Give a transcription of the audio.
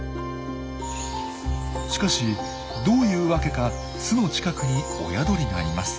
しかしどういうわけか巣の近くに親鳥がいます。